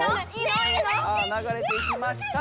・ながれていきました。